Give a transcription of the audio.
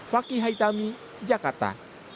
fakih haitami jakarta